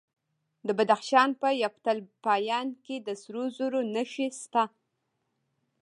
د بدخشان په یفتل پایان کې د سرو زرو نښې شته.